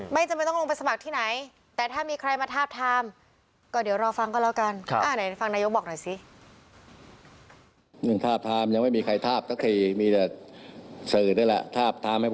ไม่จำเป็นต้องลงไปสมัครที่ไหนแต่ถ้ามีใครมาทาบทาม